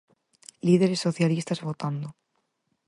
Líderes socialistas votando.